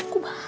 kok bahaya tuh